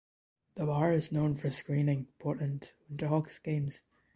The bar is known for screening Portland Winterhawks games.